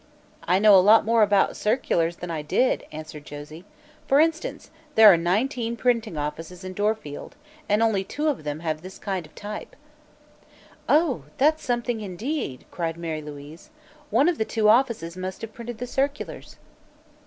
"I know a lot more about the circulars than I did," answered Josie. "For instance, there are nineteen printing offices in Dorfield, and only two of them have this kind of type." "Oh, that's something, indeed!" cried Mary Louise. "One of the two offices must have printed the circulars."